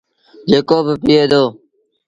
جيڪو با پيٚئي دو ۔